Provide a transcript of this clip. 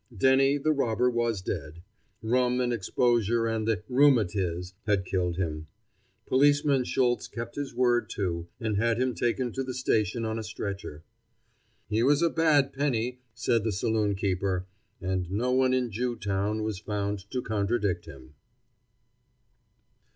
Denny the Robber was dead. Rum and exposure and the "rheumatiz" had killed him. Policeman Schultz kept his word, too, and had him taken to the station on a stretcher. "He was a bad penny," said the saloon keeper, and no one in Jewtown was found to contradict him.